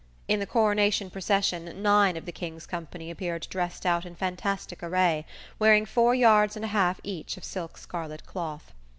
In the coronation procession nine of the "Kings Company" appeared dressed out in fantastic array, wearing four yards and a half each of silk scarlet cloth.